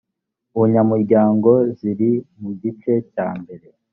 ubunyamuryango ziri mugice cya mbere